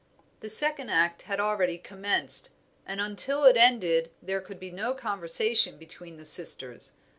The second act had already commenced, and until it had ended there could be no conversation between the sisters.